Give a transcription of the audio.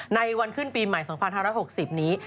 ในวันขึ้นปีใหม่๒๕๖๐นี้